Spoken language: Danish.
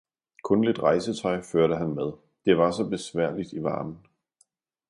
Kun lidt rejsetøj førte han med, det var så besværligt i varmen.